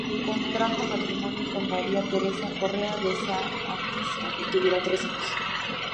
Contrajo matrimonio con "María Teresa Correa de Saa Ariztía" y tuvieron tres hijos.